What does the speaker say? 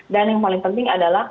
dan yang paling penting adalah